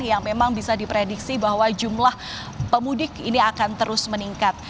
jadi ini sudah diprediksi bahwa jumlah pemudik ini akan terus meningkat